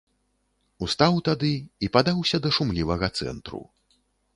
Устаў тады і падаўся да шумлівага цэнтру.